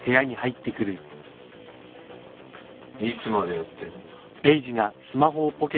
いつまでやってんだ。